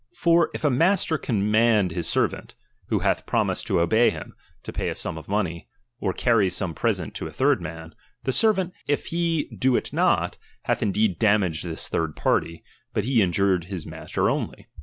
For if a master command his servant, who hath promised to obey him, to pay a sum of money, or carry some pre sent to a third man ; the servant, if he do it not, hath indeed damaged tliis tliird party, but he in jured his master only.